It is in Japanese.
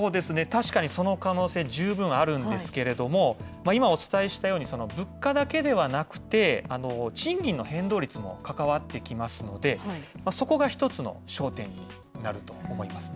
確かにその可能性、十分あるんですけれども、今お伝えしたように、物価だけではなくて、賃金の変動率も関わってきますので、そこが一つの焦点になると思います。